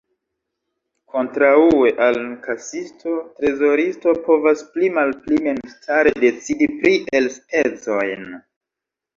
Kontraŭe al kasisto, trezoristo povas pli-malpli memstare decidi pri elspezojn.